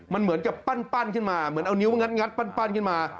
มันเหมือนกับปั้นขึ้นมาเหมือนเอานิ้วงัดปั้นขึ้นมา